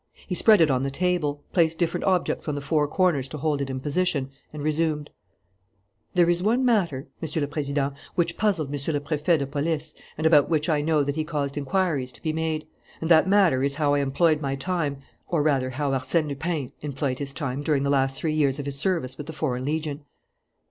He spread it on the table, placed different objects on the four corners to hold it in position, and resumed: "There is one matter, Monsieur le Président, which puzzled Monsieur le Préfet de Police and about which I know that he caused inquiries to be made; and that matter is how I employed my time, or, rather, how Arsène Lupin employed his time during the last three years of his service with the Foreign Legion."